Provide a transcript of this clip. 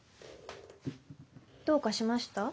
どうかしました？